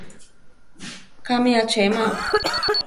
Kámi achema.